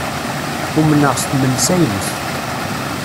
Umneɣ s tmelsa-ines.